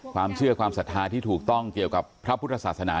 ความเชื่อความศรัทธาที่ถูกต้องเกี่ยวกับพระพุทธศาสนา